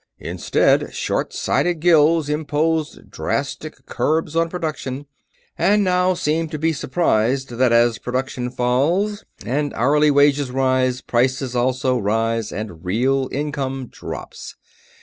Instead, short sighted guilds imposed drastic curbs on production, and now seem to be surprised that as production falls and hourly wages rise, prices also rise and real income drops.